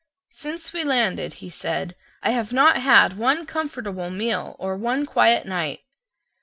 "Since we landed," he said, "I have not had one comfortable meal or one quiet night."